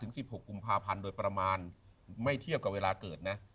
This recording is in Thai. ๑๖กุมภาพันธ์โดยประมาณไม่เทียบกับเวลาเกิดนะ